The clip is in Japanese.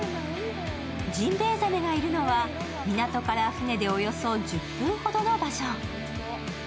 ジンベエザメがいるのは港から船でおよそ１０分ほどの場所。